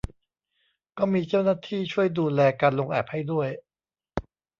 ก็มีเจ้าหน้าที่ช่วยดูแลการลงแอปให้ด้วย